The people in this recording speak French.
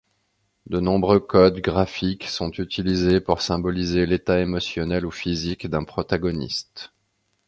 De nombreux codes graphiques sont utilisés pour symboliser l'état émotionnel ou physique d'un protagoniste.